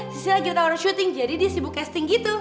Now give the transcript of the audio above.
sisil lagi ada tawaran syuting jadi dia sibuk casting gitu